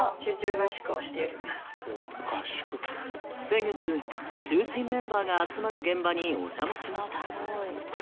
先月中心メンバーが集まる現場にお邪魔しました。